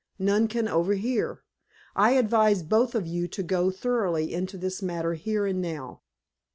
None can overhear. I advise both of you to go thoroughly into this matter here and now."